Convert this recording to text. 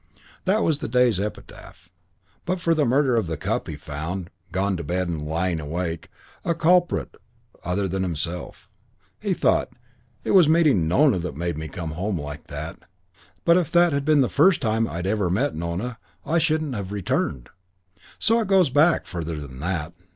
That was the day's epitaph. But for the murder of the cup he found gone to bed and lying awake a culprit other than himself. He thought, "It was meeting Nona made me come home like that. But if that had been the first time I'd ever met Nona I shouldn't have returned. So it goes back further than that.